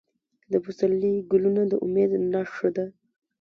د پسرلي ګلونه د امید نښه ده.